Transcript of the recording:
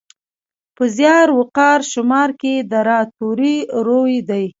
په زیار، وقار، شمار کې د راء توری روي دی.